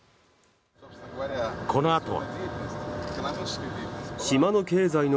このあとは。